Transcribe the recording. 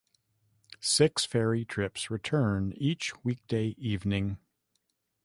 Six ferry trips return each weekday evening.